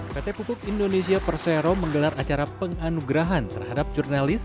pt pupuk indonesia persero menggelar acara penganugerahan terhadap jurnalis